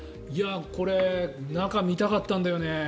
これ中、見たかったんだよね。